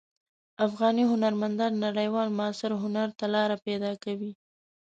افغاني هنرمندان نړیوال معاصر هنر ته لاره پیدا کوي.